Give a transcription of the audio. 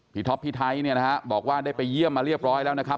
ท็อปพี่ไทยเนี่ยนะฮะบอกว่าได้ไปเยี่ยมมาเรียบร้อยแล้วนะครับ